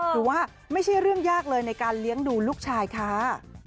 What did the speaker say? หรือว่าไม่ใช่เรื่องยากเลยในการเลี้ยงดูลูกชายค่ะ